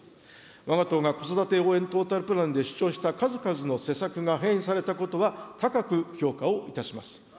わが党が子育て応援トータルプランで主張した数々の施策が反映されたことは高く評価をいたします。